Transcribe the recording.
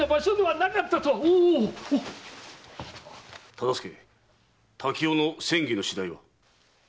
忠相滝尾の詮議の次第は？